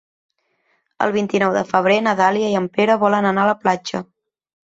El vint-i-nou de febrer na Dàlia i en Pere volen anar a la platja.